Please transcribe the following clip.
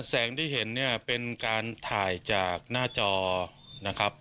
แสงที่เห็นเนี่ยเป็นการถ่ายจากหน้าจอนะครับ